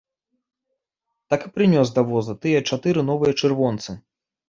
Так і прынёс да воза тыя чатыры новыя чырвонцы.